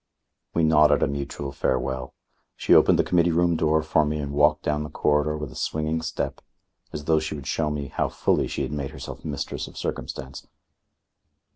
We nodded a mutual farewell. She opened the Committee Room door for me and walked down the corridor with a swinging step, as though she would show me how fully she had made herself mistress of circumstance.